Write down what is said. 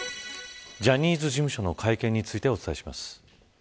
ジャニーズ事務所の会見についてお伝えします。